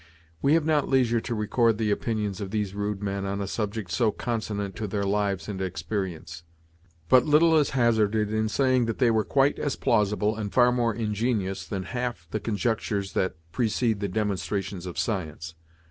We have not leisure to record the opinions of these rude men on a subject so consonant to their lives and experience; but little is hazarded in saying that they were quite as plausible, and far more ingenious, than half the conjectures that precede the demonstrations of science.